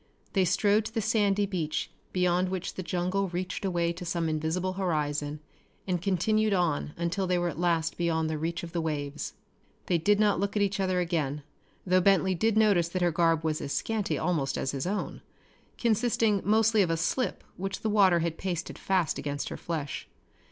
They strode to the sandy beach beyond which the jungle reached away to some invisible horizon, and continued on until they were at last beyond the reach of the waves. They did not look at each other again, though Bentley did notice that her garb was as scanty almost as his own, consisting mostly of a slip which the water had pasted fast against her flesh.